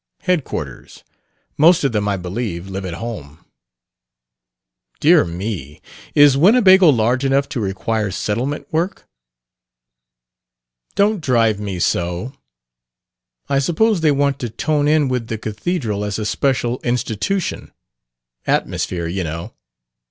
Headquarters. Most of them, I believe, live at home." "Dear me! Is Winnebago large enough to require settlement work?" "Don't drive me so! I suppose they want to tone in with the cathedral as a special institution. 'Atmosphere,' you know.